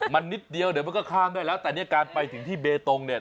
มันนิดเดียวเดี๋ยวมันก็ข้ามได้แล้วแต่เนี่ยการไปถึงที่เบตงเนี่ย